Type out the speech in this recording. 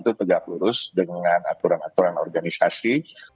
itu tegak lurus dengan aturan aturan organisasi